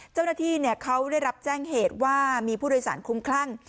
เจ้าหน้าที่เขาได้รับแจ้งเหตุว่ามีผู้โดยสารคุ้มคลั่ง